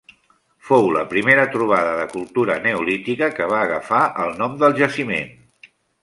Fou la primera trobada de cultura neolítica que va agafar el nom del jaciment.